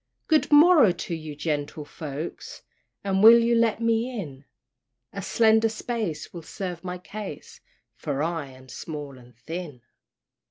"Good morrow to ye, gentle folks, And will you let me in? A slender space will serve my case, For I am small and thin."